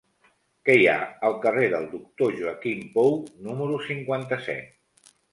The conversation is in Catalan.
Què hi ha al carrer del Doctor Joaquim Pou número cinquanta-set?